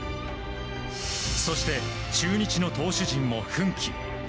そして、中日の投手陣も奮起。